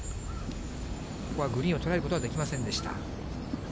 ここはグリーンを捉えることはできませんでした。